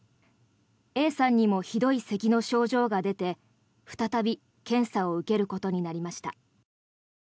Ａさんにもひどいせきの症状が出て再び検査を受けることになりました。